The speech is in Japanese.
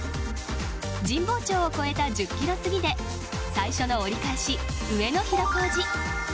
神保町を越えた１０キロ過ぎで最初の折り返し上野広小路。